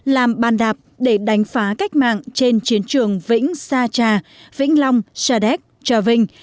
làm bàn đạp để đánh phá cách mạng trên chiến trường vĩnh sa cha vĩnh long sadek chau vinh